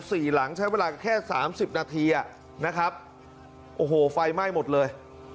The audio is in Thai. หลังใช้เวลาแค่สามสิบนาทีอ่ะนะครับโอ้โหไฟไหม้หมดเลย